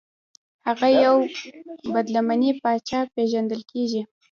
هغه یو بد لمنی پاچا پیژندل کیږي.